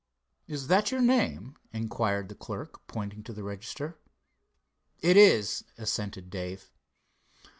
"Is that your name?" inquired the clerk, pointing to the register. "It is," assented Dave.